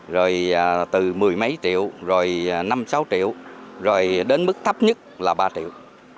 rồi từ mười mấy triệu rồi năm sáu triệu rồi đến mức thấp nhất là ba triệu